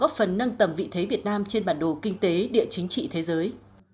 và làm thế nào để nâng tầm vị thế việt nam trên bản đồ kinh tế địa chính trị thế giới